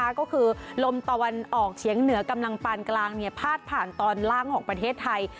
ก็คือลมตะวันออกเฉียงเหนือกำลังปานกลางพาดผ่านตอนล่างของประเทศไทย